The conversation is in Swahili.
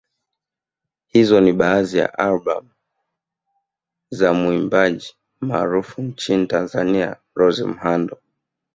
Hizo ni baadhi ya albamu za muimbaji maarufu nchini Tazania Rose Muhando